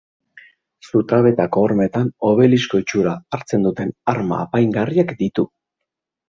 Zutabeetako hormetan obelisko itxura hartzen duten arma apaingarriak ditu.